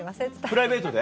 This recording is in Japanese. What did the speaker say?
プライベートで？